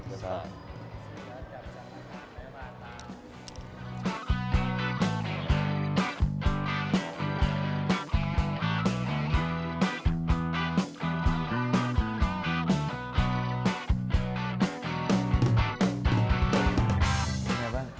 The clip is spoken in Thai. ดีไหม